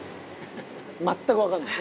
◆全く分かんない。